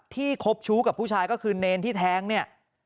คบชู้กับผู้ชายก็คือเนรที่แท้งเนี่ย